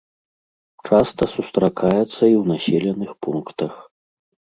Часта сустракаецца і ў населеных пунктах.